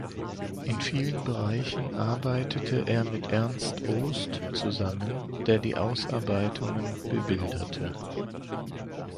In vielen Bereichen arbeitete er mit Ernst Ohst zusammen, der die Ausarbeitungen bebilderte.